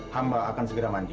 hamba akan segera mandi